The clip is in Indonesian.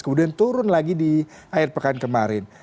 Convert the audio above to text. kemudian turun lagi di akhir pekan kemarin